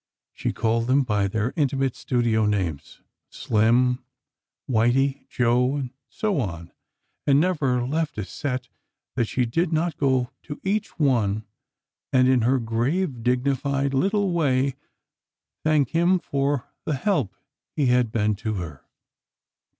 She called them by their intimate studio names: "Slim," "Whitey," "Joe," and so on, and never left a set that she did not go to each one, and in her grave, dignified little way, thank him for the help he had been to her.